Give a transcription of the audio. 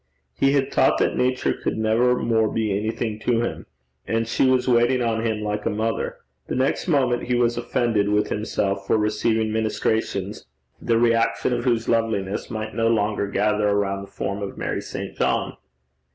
He had thought that Nature could never more be anything to him; and she was waiting on him like a mother. The next moment he was offended with himself for receiving ministrations the reaction of whose loveliness might no longer gather around the form of Mary St. John.